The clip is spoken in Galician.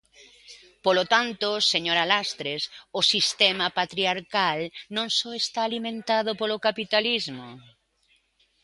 Polo tanto, señora Lastres, o sistema patriarcal non só esta alimentado polo capitalismo.